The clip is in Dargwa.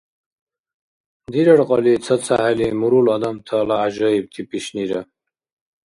Дирар кьалли цацахӀели мурул адамтала гӀяжаибти пишнира!